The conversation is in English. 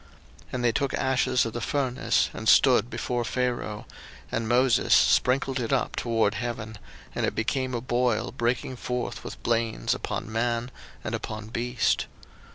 02:009:010 And they took ashes of the furnace, and stood before Pharaoh; and Moses sprinkled it up toward heaven; and it became a boil breaking forth with blains upon man, and upon beast.